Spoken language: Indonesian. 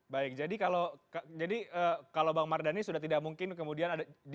baik jadi kalau bang mardhani sudah tidak mungkin kemudian ada